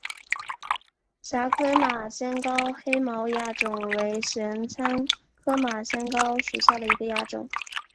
狭盔马先蒿黑毛亚种为玄参科马先蒿属下的一个亚种。